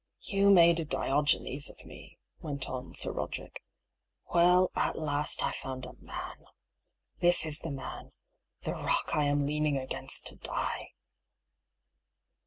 " You made a Diogenes of me," went on Sir Roder ick. " Well, at last, I found a man. This is the man — the rock I am leaning against to die